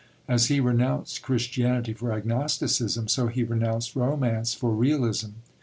As he renounced Christianity for agnosticism, so he renounced romance for realism.